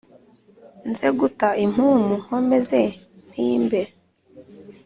Nze guta impumu nkomeze mpimbe